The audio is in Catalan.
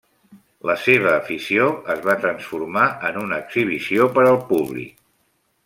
La seva afició es va transformar en una exhibició per al públic.